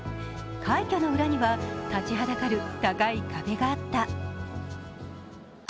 快挙の裏には立ちはだかる高い壁があった。